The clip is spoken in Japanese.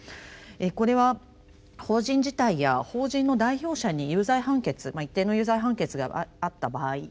これは法人自体や法人の代表者に有罪判決一定の有罪判決があった場合に加えてですね